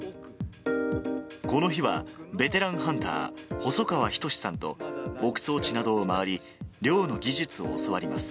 この日はベテランハンター、細川仁さんと、牧草地などを回り、猟の技術を教わります。